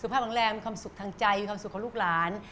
ภาพโรงแรมมีความสุขทางใจมีความสุขของลูกหลาน